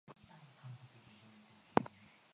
Mkwawa alimuagiza mjombawake kutia sahihi